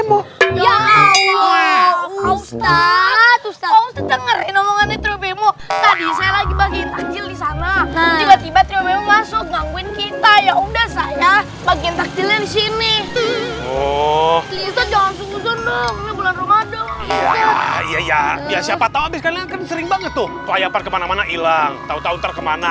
sini oh jangan jangan ya siapa tahu sering banget tuh kemana mana ilang tahu tahu kemana